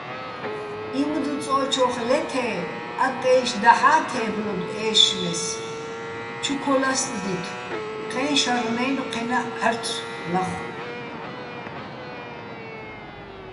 იმდუწო́ჩოხ ლე́თ-ე ა́ტტაჲში̆ დაჰ̦ა́ თე́ბლოდო̆ ე́შშმეს, ჩუ ქოლასტდითო̆, ჴეჼ შარნაჲნო̆ ჴენაჸ ჺა́რცო̆ ლახო̆.